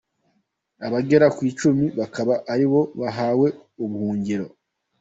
Abagera ku icumi bakaba ari bo bahawe ubuhungiro.